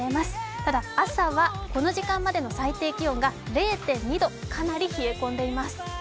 ただ、朝はこの時間までの最低気温が０．２度かなり冷え込んでいます。